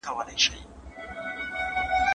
مارکسیزم په اروپا کي وده وکړه.